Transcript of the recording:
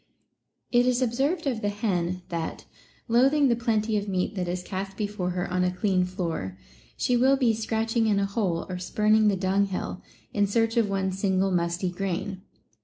It is observed of the hen that, loathing the plenty of meat that is cast before her on a clean floor, she will be scratching in a hole or spurning the dunghill, in search of one single musty grain.